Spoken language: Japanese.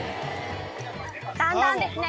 だんだんですね